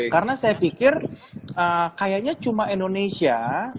karena saya pikir kayaknya cuma indonesia